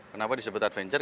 kenapa disebut adventure